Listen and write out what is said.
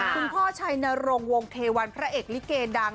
พ่อชัยนรงวงเทวันพระเอกลิเกดัง